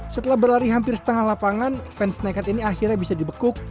setelah berlari hampir setengah lapangan fans nekat ini akhirnya bisa dibekuk